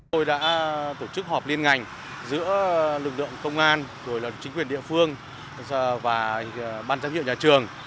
tôi đã tổ chức họp liên ngành giữa lực lượng công an rồi là chính quyền địa phương và ban giám hiệu nhà trường